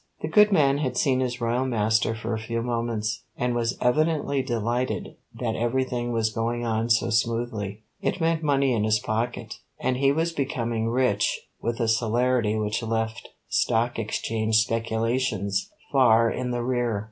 The good man had seen his royal master for a few moments, and was evidently delighted that everything was going on so smoothly. It meant money in his pocket, and he was becoming rich with a celerity which left stock exchange speculations far in the rear.